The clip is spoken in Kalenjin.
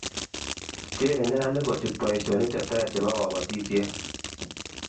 cherei neranik kuchut boisionik che ter chebo kabotisie